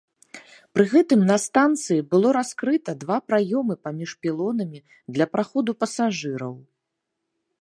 Пры гэтым на станцыі было раскрыта два праёмы паміж пілонамі для праходу пасажыраў.